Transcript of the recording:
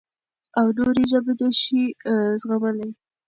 او نورې ژبې نه شي زغملی.